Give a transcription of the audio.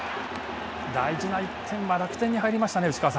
大事な１点は楽天に入りましたね